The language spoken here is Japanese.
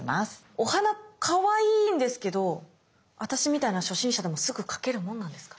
お花かわいいんですけど私みたいな初心者でもすぐ描けるもんなんですか？